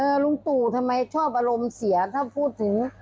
รุ๊งตู่ทำไมชอบอารมณ์เสียเวลาพูดคือ